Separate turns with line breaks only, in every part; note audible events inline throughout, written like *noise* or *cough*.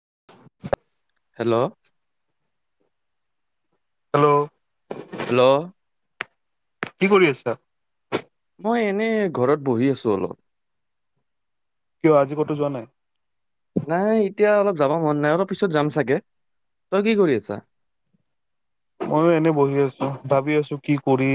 *inaudible*
Hello
hello
hello
কি কৰি আছা??
মই এনেই ঘৰত বহি আছো অলপ
কিয় আজি কতো যোৱা নাই?
নাই এতিয়া অলপ যাব মন নাই অলপ পিছত যাম চাগে তই কি কৰি আছা?
মইয়ো এনে বহি আছো ভাবি আছো কি কৰি?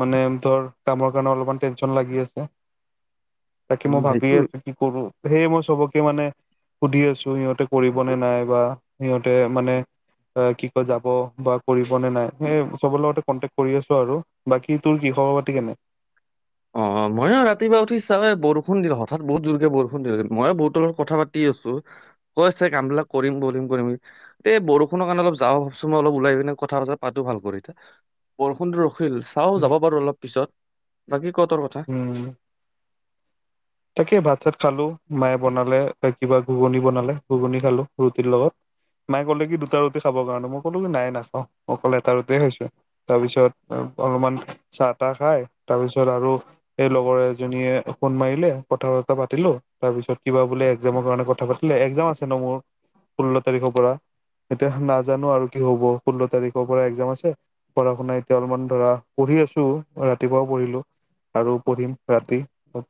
মানে ধৰ কামৰ কাৰণে অলপমান টেনচন লাগি আছে তাকে মই
উম সেইটো
ভাবিয়েই আছো কি কৰো সেয়ে মই চবকে মানে সুধি আছো সিহঁতে কৰিবনে নাই বা সিহঁতে মানে অ কি কয় যাব বা কৰিব নে নাই সেই চবৰ লগতে কনটেক্ট কৰি আছো আৰু বাকী তোৰ ক খবৰ পাতি কেনে *inaudible*
অ ময়ো ৰাতিপুৱা উঠিচে বৰষুণ দিলো হঠাৎ বহুত জোৰকে বৰষুণ দিলো মইয় বহুতলৰ কথা পাতি আছো কৈছে কাম বিলাক কৰিম কৰিম কৰিম এই বৰষুণৰ কাৰণে অলপ যাওঁ ভাবছোন মই অলপ ওলাই পিনে কথা পাত পাতো ভাল কৰ এতিয়া বৰষুণটো ৰখিল চাও যাব বাৰু অলপ পিছত বাকী ক তোৰ কথা
উম তাকে ভাত চাত খালো মায়ে বনালে বা কিবা ঘুগনি বনালে ঘুগনি খালো ৰুটিৰ লগত মায়ে কলে কি দুটা ৰুট খাবৰ কাৰণে মই ক'লো কি নাই নাখাওঁ মই ক'লে এটা ৰুটে হৈছো তাৰ পিছত অলপমান চাহ তাহ খাই তাৰপিছত আৰু সেই লগৰ এজনীয়ে সোণ মাৰিলে কথা ব পালো তাৰপিছত কিবা বোলে এক্জৰ কাৰণ কথা পাতিলে একাম আছে ন মোৰ ষোল্ল তাৰিখৰ পৰা এতিয়া নাজানো আৰু কি হ'ব ষোল্ল তাৰিখৰ পৰা এক্জাম আছে পঢ়া শুনা এতিয়া অলপমান ধৰা পঢ়ি আছো ৰাতিপুৱাও পঢ়িলো আৰু পঢ়িম ৰাতি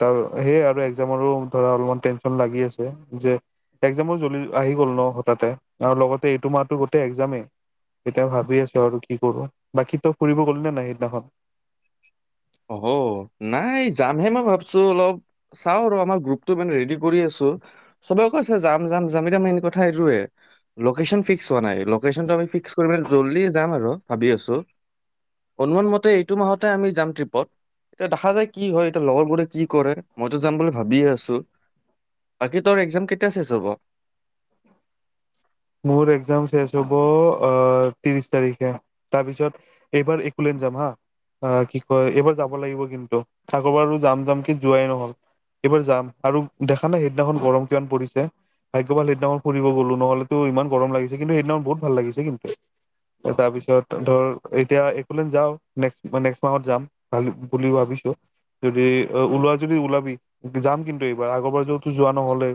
তাৰ সেইয় আৰু একজামৰো ধৰা অলপমান টেনশ্যন লাগি আছে যে এক্জামো জ্বলি আহি গল ন হঠাতে আৰু লগতে এইটো মাহতো গোটেই এক্জামেই এতিয়া ভাবি আছো আৰু কি কৰো বাকী তই ফুৰিব গলনেে নাই সেইদিনাখন
অ নাই যামহে মই ভাবছো অলপ চাও আৰু আমাৰ গ্ৰুপটো মানে ৰেডি কৰি আছো চবে কৈছে যাম যাম যাম এতিয়া মেইন কথা এটোৱে লকেচন ফিস্ক হোৱা নাই লকেচন ফিস্ক কৰিবলে জল্দি যাম আৰু ভাবি আছো অনুমান মতে এইটো মাহেকে আমি যাম ট্ৰিপ এতিয়া দেখা যায় কি হয়, এতিয়া লগৰ বোৰে কি কৰে মইতো যাম বুলি ভাবিয়ে আছো। বাকী তোৰ এক্জাম কেতিয়া শেষ হ'ব?
উম- মোৰ এক্জাম শেষ হ'ব ত্ৰিশ তাৰিখে, তাৰপিছত এইবাৰ যাম হা অ কি কয় এইবাৰ যাব লাগিব কিন্তু, আগৰ বাৰ যাম যাম কি যোৱাই নহ'ল। এইবাৰ যাম আৰু দেখা নাই সেইদিনাখন গৰম কিমান পৰিছে, ভাগ্য ভাল সেইদিনাখন ফুৰিব গলো, নহ'লে ত ইমান গৰম লাগিছে, কিন্তু সেইদিনা বহুত ভাল লাগিছে কিন্তু। তাৰ পিছত ধৰ এতিয়া এক'লেণ্ড যাও, নেক্স নেক্স মাহত যাম ভাল বুলি ভাবিছোঁ। যদি ওলোৱা যদি ওলাবি, যাম কিন্তু এইবাৰ আগৰবাৰ তো যোৱা নহ'লে।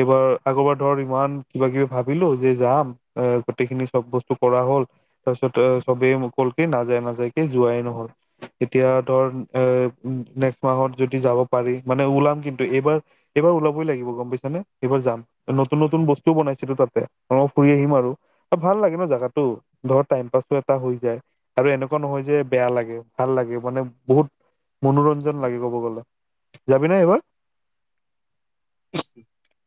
এইবাৰ, আগৰবাৰ ধৰ ইমান কিবা-কিবি ভাবিলো যে যাম অ গোটেই খিনি চব বস্তু কৰা হ'ল, তাৰ পিছত চবেই ক'লে কি নাযাও যাও নাযাওকে যোৱায়ে নহ'ল, এতিয়া ত এ নেক্স মাহত যদি যাব পাৰি? মানে ওলাম কিন্তু এইবাৰ, এইবাৰ ওলাবই লাগিব গম পাইছা নে এইবাৰ যাম নতুন নতুন বস্তু বনাইছে। অহ ফুৰি আহিম আৰু ভাল লাগে ন যেগাটো, ধৰ টাইম পাছ এটা হৈ যায়। আৰু এনেকুৱা নহয় যে বেয়া লাগে, ভাল লাগে মানে বহুত মনোৰঞ্জন লাগিব ক'ব গ'লে, যাবি নে এইবাৰ?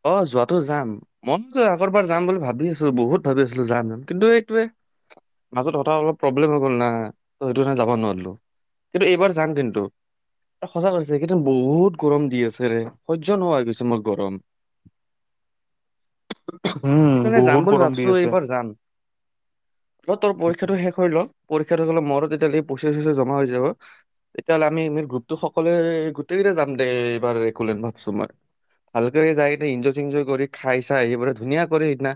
অহ যোৱাতো যাম মইতো আগৰ পৰা যাম বুলি ভাবি আছোঁ, বহুত ভাবি আছিলো যাম যে কিন্তু এইটোৱে মাজত হঠাৎ অলপ প্ৰব্লেম হৈ গ'ল না, ত সেইটো কাৰণে যাব নোৱাৰিলো কিন্তু এইবাৰ যাম কিন্তু সঁচা কৰিছো, এইকেইদিন বহুত গৰম দি আছেৰে সহ্য নোহোৱা হৈ গৈছে মোৰ গৰম-
উম
সেইকাৰণে যাম
বহুত
বুলি
গৰম দি
ভাবিছো
আছে
এইবাৰ যাম, তোৰ পৰীক্ষাটো শেষ হৈ ল'ক পৰীক্ষা হৈ গ'লে মোৰ হাতত তেতিয়ালৈ পইচা চইচা জমা হৈ যাব, তেতিয়া হ'লে আমি গ্ৰপতটো সকলোৱে গোটেই - দে যাম দে এইবাৰ একলেন' ভাবছো মই ভালকৰি যায় এতিয়া ইনঞ্জয়-চিনঞ্জয় কৰি খাই চাই আহিবলে ধুনীয়া কৰে সিদিনা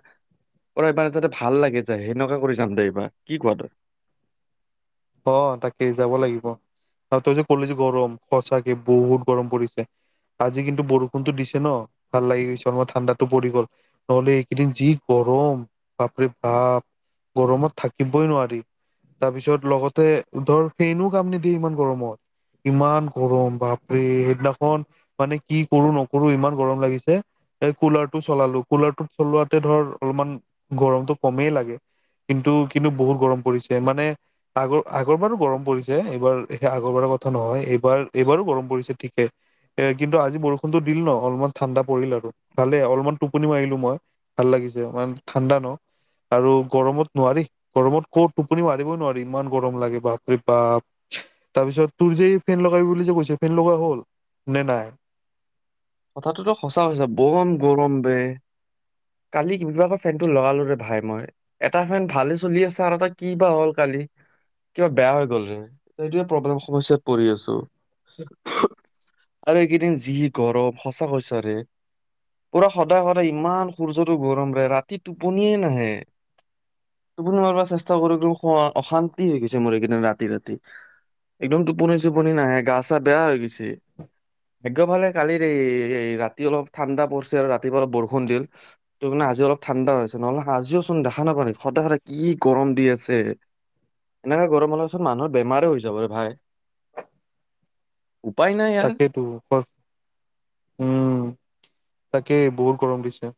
অ এইবাৰে তাতে ভাল লাগে যায়, সেনেকোৱা কৰি যাম দে এইবা, কি কোৱা তই?
অহ তাকেই যাব লাগিব। আৰু তই যে কলি যে গৰম, সচাকে বহুত গৰম পৰিছে। আজি কিন্তু বৰষুণতো দিছে ন ভাল লাগি গৈছে, অলপ ঠাণ্ডাটো পৰি গ'ল নহ'লে এইকেইদিন যি গ ৰম বাপৰে বাপ, গৰমত থাকিবই নোৱাৰি, তাৰপিছত লগত তাকে দৰ ফেন ও কাম নিদিয়ে ইমান গৰমত। ইমান গৰম বাপৰে, সেইদিনাখন মানে কি কৰো নকৰো ইমান গৰম লাগিছে। এই কুলাৰটো চলালো, কুলাৰটো চলাওতে ধৰ অলপমান গৰমতটো কমেই লাগে। কিন্তু, কিন্তু বহুত গৰম পৰিছে, মানে আগৰ আগৰবাৰো গৰম পৰিছে, এইবাৰ আগৰবাৰৰ কথা নহয় এইবাৰ এইবাৰো গৰম পৰিছে ঠিকে। এ কিন্তু আজি বৰষুণতো দিল ন, অলপমান ঠাণ্ডা পৰিল আৰু ভালে অলপমান টোপনি মাৰিলো মই, ভাল লাগিল। ঠাণ্ডা ন আৰু গৰমত নোৱাৰি, গৰমত ক টোপনি মাৰিবই নোৱাৰি। ইমান গৰম লাগে বাপৰে বাপ, তাৰ পিছত তোৰ যে ফেন লগাবি বুলি যে কৈছে ফেন লগোৱা হ'ল? হল নে নাই?
কথাটোতো সঁচা হৈছে গৰ'ম গৰম বে। কালি কিবাকেও এ ফেনটো লগালোঁ ৰে ভাই মই, এটা ফেন ভালে চলি আছে আৰু এটা কি বা হ'ল কালি? কালি কিবা বেয়া হৈ গ'ল ৰে, এইটোয়ে প্ৰব্লেম সমস্যাত পৰি আছো। আৰু এইকেইদিন যিহ গৰম সঁচা কৈছো ৰে। পুৰা সদায়-সদায় ইমান সূৰ্যতো গৰম ৰে, ৰাতি টোপনিয়েই নাহে। টোপনি মাৰিব চেষ্টা কৰো অশান্তি হৈ গৈছে মোৰ এইকেইদিন ৰাতি ৰাতি। একদম টোপনি চোপনি নাহে গা চা বেয়া হৈ গৈছে, ভাগ্য ভালে এ কালি এই ৰাতি অলপ ঠাণ্ডা পৰিছে আৰু ৰাতিপা অলপ বৰষুণ দিল, ত মানে আজি অলপ ঠাণ্ডা হৈছে। নহলে আজিও চোন দেখা নাপাওঁ নি, সদায় সদায় কি গৰম দি আছে। এনেকে গৰম হ'লে চুন মানুহৰ বেমাৰে হৈ যাব ৰে ভাই।
*inaudible*
উপায় নাই ইয়াৰ
তাকেইেতো খৰ উম। তাকে বহুত গৰম দিছে।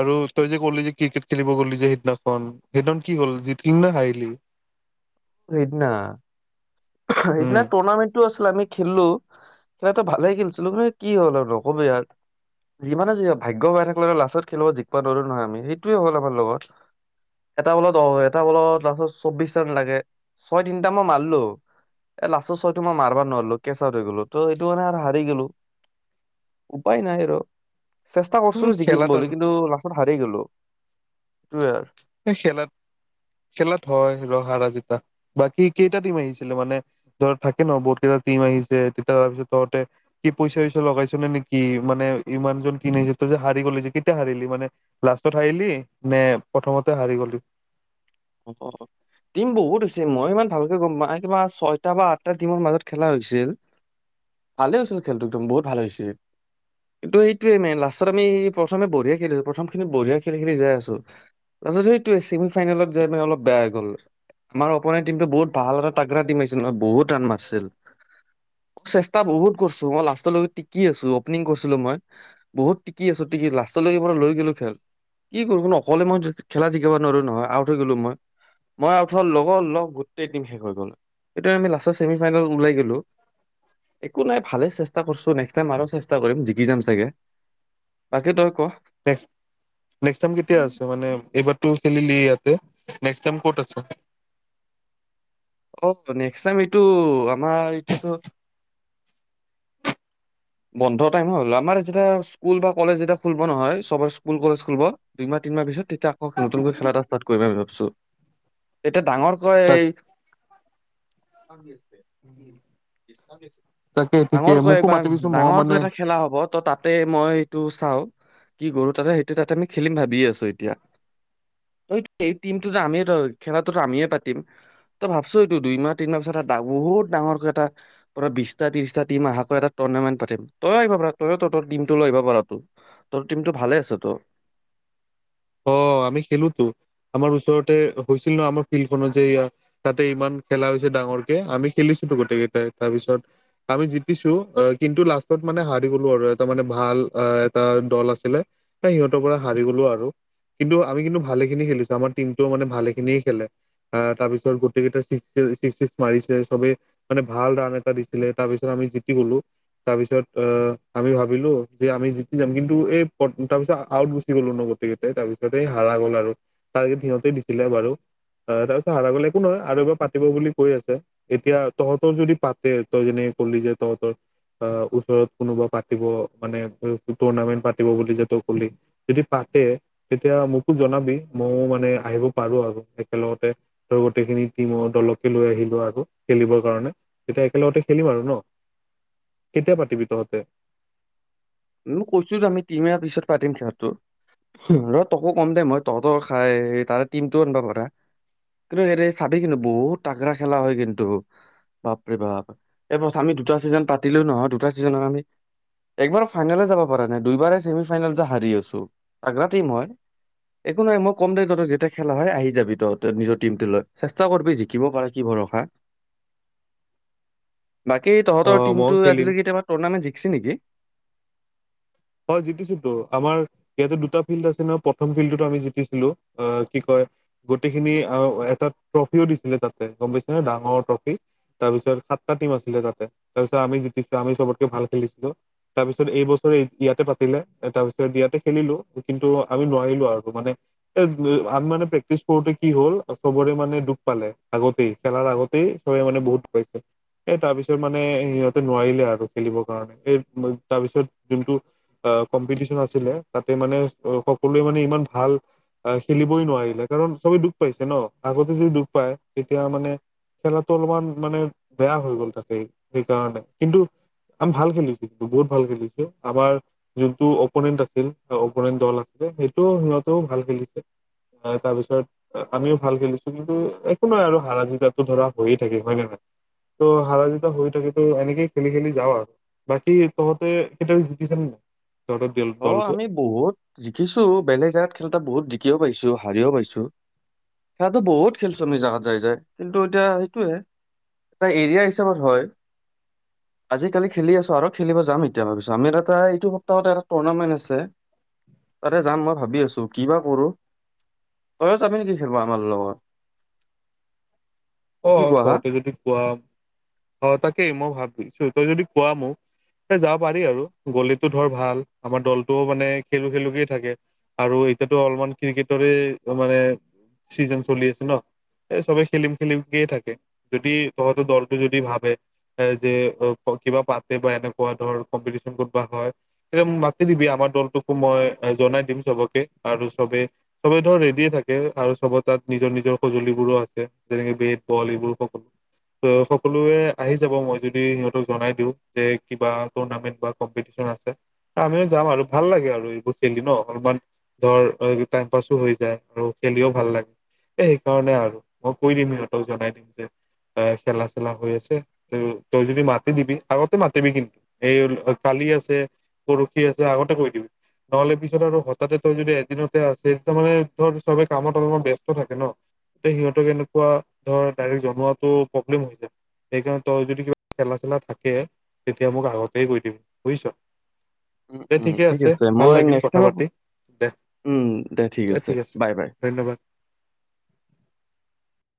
আৰু তই যে কলি যে ক্ৰিকেট খেলিব গ'লি যে সিদিনাখন সেইদিনাখন কি হ'ল জিতকিল না হাৰিলি। *inaudible*
সেইদিনা সেইদিনা
উম
টুৰ্ণামেণ্টটো আছে আমি খেললো খেলাটো ভালে খেলিছিলো মানে কি হ'ল আৰু নক'বি আৰু যিমানে যি হৈছে ভাগ্য ভাই থাকিলে লাষ্টত খেলিব জিকোৱা নৰো নহয় আমি সেইটোৱে হ'ল আমাৰ লগত। এটা বলত অ এটা বলত লাষ্টত চৌবিশ ৰান লাগে ছয় তিনটা মই মাৰলো। এ লাষ্টৰ ছয়টো মই মাৰব নোৱাৰলো কেচাত হৈ গলো ত' এইটো মানে আৰু হাৰি গেলো। উপায় নাই আৰু। চেষ্টা কৰিছিলো জিকিম
খেলাত
বুলি কিন্তু লাষ্টত হাৰি গলো হেতুয়ে আৰু।
সে খেলাত। খেলাত হয় যে হাৰা জিতা বাকী কেইটা টিম আহিছিলে মানে ধৰ থাকে ন বহুত কেই টিম আহিছে তেতিয়া তাৰ পিছত তহতে কি পইচা চইচা লগাইছ নে নেকি মানে ইমানজন কিন আহিছিল। যে হাৰি গলি যে কেতিয়া হাৰিলি মানে লাষ্টত হাৰিলি নে প্ৰথমতে হাৰি গ'লি।
অ টিম বহুত আ হৈছে মইয় ইমান ভালকে গ'ম ম কিবা ছয়টা বা আঠটা টিমৰ মাজত খেলা হৈ হৈছিলেনে ভালে হৈছিল খেলটো একদম বহুত ভাল হৈছিল। কিন্তু এইটোৱে মানে লাষ্টত আমি প্ৰথমে বঢ়িয়া খেলিছো প্ৰথম খিনি বঢ়িয়া খেলি খেলি যাই আছো। তাছত সেইটোৱে ছেমি ফাইনেলত যাই মানে অলপ বেয়া হৈ গ'ল। আমাৰ অপনে টিমটো বহুত ভাল আৰু তাগ্ৰৰা টিম হৈছিল নহ বহুত ৰাণ মাৰিছিল। চেষ্টা বহুত কৰিছো মই লাষ্টলৈত টিকি আছো অপেনিং কৰিছিলো মই বহুত টিকি আছো। লাষ্ট মই লৈ গলো খেল কি কৰো ন অকলে মই খেলা জিকিব নোৱাৰো নহয় আ। আউট হৈ গলো মই মই আউত হোৱাৰ লগৰ লগ গোটেই দিটম শেষ হৈ গ'ল। এতিয়া আমি লাষ্টৰ ছেমি ফাইনেলত ওলাই গ'লো। একো নাই ভালে চেষ্টা কৰিছো নেক্সট্ আৰু চেষ্টা কৰিম জিকি যাম চাগে তাকে তই ক
নেক্স নেক্সট টাইম কেতিয়া আছে মানে এইবাৰ টো খেলিলো ইয়াতে নেক্স টাইম ক'ত আছে
অ নেক্সট টাইম এইটো আমাৰ এতোটো বন্ধৰ টাইম হ'ল আমাৰ যেতিয়া স্কুল বা কলেজ যেতিয়া খুলব নহয় চব স্কুল কলেজ খুলব দুইমাহ তিনমাহ পিছত তেতিয়া আকৌ নতুনকৈ খেলা এটা ষ্টাৰ্ট কৰিমম ভাবিছো এতিয়া ডাঙৰ কয়
তাক
এই
তাকে ঠিকে
ডাঙৰকৈ
মোকো
একবাৰ।
মাতিবিচোন মইও
ডাঙৰকৈ
মানে
এটা খেলা হব ত তাতে মই এইটো চা কি কৰো তাতে সেইটো তাতে আমি খেলিম ভাবি আছো এতিয়া। হৈ এই টিমটো যে আমিয়ে ত খেলাটোতো আমিয়ে পাতিম ত ভাবছো এইটো দুইমাহ তিনিমাহ পাছত এটা বহুত ডাঙৰকৈ এটা পৰা বিশটা ত্ৰিশটা তিনিমাহকৈ এটা টুৰ্ণামেণ্ট পাতিম তইয়ও আহিব পাৰ তই ত টমটো ল আহিব পাৰ তোৰ টিম টো ভালে আছে ত
*inaudible* অ আমি খেলোতো আমাৰ ওচৰতে হৈছিল ন আমাৰ ফিল্ড খনত যে ইয়াত তাতে ইমান খেলা হৈছে ডাঙৰকে আমি খেলিছো গোটেই কেইটাই তাৰপিছত আমি জতিছো কিন্তু লাষ্টত মানে হাৰি গলো আৰু এটা মানে ভাল এটা দল আছিলে। সিহঁতৰ পৰা হাৰি গ'লো আৰু। কিন্তু আমি কিন্তু ভালে খিনি খেলিছো আমাৰ টিমটো মানে ভালে খিনিয়ে খেলে তাৰ পিছত গোটকেইটা। ৰিচিভ চিছ মাৰিছে চবে মানে ভাল ৰাান এটা দিছিলে তাৰপিছত আমি জিকি গলো। তাৰ পিছত আহ আমি ভাবিলো যে আমি জিতি যাম কিন্তু এই তাৰ পিছত আউট গুচি গলো নগত। তাৰ পিছতে হাৰা গ'ল আৰু টাৰ্গেট সিহঁতে দিছিলে বাৰু। অ তাৰ পিছত হাৰা গলে একো নহয় আৰু এবাৰ পাতিব বুলি কৈ আছে এতিয়া তহঁতৰ যদি পাতে তই যেনে। কলি যে তহঁতৰ। অ ওচৰত কোনোবা পাতিব মানে টুৰ্ণামেন্ট পাতিব বুলি যে তই কলি তেতিয়া মোকো জনাবি মইও মানে আহিব পাৰো আৰু একেলগতে ধ গোটেইখিনি টিম দলকে লৈ আহিলো আৰু খেলিবৰ কাৰণে তেতিয়া একেলগতে খেলিম আৰু ন কেতিয়া পাতিবি তহঁতে?
ম কৈছো আমি তিনি মাহৰ পিছত পাতিম খেলটো। ৰ তকো কম দে মই তহঁতৰ খাই তাৰে টিমটোও আনিবা পাৰা। কিন্তু হেৰে চাবি কিন্তু বহুত টাগ্ৰা খেলা হয় কিন্তু। বাপৰে বাপ এই প্ৰথ আমি দুটা ছিজন পাতিলেও নহয় দুটা ছিজনত আমি একবাৰ ফাইনেল যাব পাৰা নাই দুইবাৰে ছেমি ফাইনেল হাৰি আছো তাগ্ৰা হয় একো নাই মই কম দে তহঁত যেতিয়া খেলা হয় আহি যাবি তহঁতেওঁ টিমটো লৈ চেষ্টা কৰি জিকিব পাৰে কি ৰখা
*inaudible*
বাকী তহঁতৰ
অ' ময়ো
টিমটো
খেলিম।
আজিলেকে কেতিয়াবা টুৰ্ণামেণ্ট জিকিছে নেকি
হয় জিকিছো তো আমাৰ ইয়াতে দুটা ফিল্ড আছে ন প্ৰথম ফিল্ডতো আমি জিকিছিলো অ কি কয় গোটেইখিনি আ এটা ট্ৰফিও দিছিলে তাতে গম পাইছে নে ডাঙৰ ট্ৰফি তাৰপিছত সাতটা টিম আছিলে তাতে তাৰ পিছত আমি জিকিছো আমি চবতকে ভাল খেলিছো তাৰপিছত এই বছৰ এই ইয়াতে পাতিলে তাৰপিছত ইয়াতে খেলিলো কিন্তু আমি নোৱাৰিলো আৰু মানে এ আমি মানে প্ৰেক্টিচ কৰোতে কি হ'ল চবৰে মানে দুখ পালে আগতেই খেলাৰ আগতেই চবে মানে বহুত দুখ পাইছে এ তাৰ পিছত মানে সিহঁতে নোৱাৰিলে আৰু খেলিবৰ কাৰণে এই তাৰ পিছত যোনটো অ কম্পিটিশন আছিলে তাতে মানে সকলোৱে মানে ইমান ভাল আ খেলিবই নোৱাৰিলে কাৰণ চবে দুখ পাইছে ন আগতে যদি দুখ পায় তেতিয়া মানে খেলাটো অলপমান মানে বেয়া হৈ গ'ল তাকেই সেইকাৰণে কিন্তু আমি ভাল খেলিছো কিন্তু বহুত ভাল খেলিছো আমাৰ যোনটো অপোনেণ্ট আছিল অপোনেণ্ট দল আছিলে সেইটো সিহঁতেও ভাল খেলিছে। তাৰ পিছত আমিও ভাল খেলিছো, কিন্তু একো নাই আৰু হাৰা জিতাতো ধৰা হৈয়ে থাকে। হয় নে নহয়? তো হাৰা জিতা হৈয়ে থাকে ত এনেকেই খেলি খেলি যাওঁ আৰু। বাকী তহঁতে কেতিয়াবা জিকিছনে নে নাই? তহঁতৰ দল
অ
দলটো
আমি বহুত জিকিছো বেলেগ জেগাত খেলোতে বহুত জি কিয় পাইছো হাৰিও পাইছো। সেয়াটো বহুত খেলছো আমি জেগাত যাই যায় কিন্তু এতিয়া সেইটোয়ে। এটা এৰিয়া হিচাপত হয়। আজিকালি খেলি আছো আৰু খেলিব যাম এতিয়া ভাবিছো আমি এটা এইটো সপ্তাহতে টুৰ্ণামেন্ট আছে, তাতে যাম মই ভাবি আছো কিবা কৰো? তই যাবি নেকি খেলিব আমাৰ লগত?
অ
কি কোৱা হা
তহঁতে যদি কোৱা অ তাকেই মই ভাবিছো তই যদি কোৱা মোক যাব পাৰি আৰু গলিতো ধৰ ভাল আমাৰ দলটোও মানে খেলু খেলকে থাকে। আৰু এতিয়াটো অলমান ক্ৰিকেটৰে মানে চিজন চলি আছে ন এই চবে খেলিম। খেলিম থাকে যদি তহতৰ দলটো যদি ভাবে যে কিবা পাতে বা এনেকুৱা ধৰ কম্পিতিচন কবাত হয় তেতিয়া মোক মাতি দিবি আমাৰ দলোকো মই জনাই দিম চবকে। আৰু চবে চবে ধৰ ৰেডিয়ে থাকে আৰু চবৰ তাত নিজৰ নিজৰ সজুলিবোৰো আছে। যেনেকে বেট বল এইবোৰ সকলো। ত সকলোৱে আহি যাব মই যদি সিহঁতক জনাই দিওঁ যে কিবা টৰ্ণামেণ্ট বা কম্পিটিচন আছে আমিও যাম আৰু ভাল লাগে আৰু এইবোৰ খেলি ন অলমান। ধৰ টাইম পাছো হৈ যায় আৰু খেলিও ভাল লাগে এ সেইকাৰণে আৰু মোক কৈ দিম সিহঁতক জনাই দিম যে। এ খেলা চেলা হৈ আছে তই যদি মাতি দিবি আগতে মাতিবি কিন্তু এই কালি আছে পৰশি আছে আগতে কৈ দিবি। নহ'লে পিছত আৰু হঠাতে তোৰ যদি এদিনতে আছে তাৰমানে ধৰ চবে কামত অলপমান ব্যস্ত থাকে ন। এ সিহঁতক এনেকুৱা ধৰ ডাইৰেক্ জনোৱাটো প্ৰব্লেম হৈ যায়। সেইকাৰণে তই যদি কিবা খেলা চেলা থাকে তেতিয়া মোক আগতেই কৈ দিবি বুজিছ।
উম
দে
উম
ঠিকে
ঠিক
আছে ভাল
মই
লাগিল
নেক্সট
কথা
টাইম
পাতি। দে দে ঠিক আছে ধন্যবাদ।